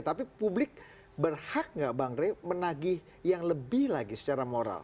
tapi publik berhak gak bank raya menagih yang lebih lagi secara moral